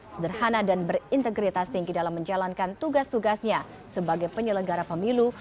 sederhana dan berintegritas tinggi dalam menjalankan tugas tugasnya sebagai penyelenggara pemilu